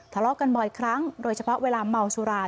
ทะเลาะกันบ่อยครั้งโดยเฉพาะเวลาเมาสุรา